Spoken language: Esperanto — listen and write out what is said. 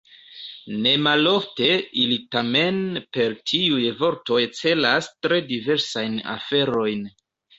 Nemalofte ili tamen per tiuj vortoj celas tre diversajn aferojn.